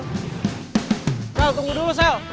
sel tunggu dulu sel